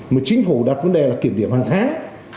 mà chính phủ đặt vấn đề là kiểm điểm hàng tháng